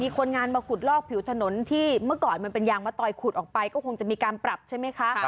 คนงานมาขุดลอกผิวถนนที่เมื่อก่อนมันเป็นยางมะตอยขุดออกไปก็คงจะมีการปรับใช่ไหมคะ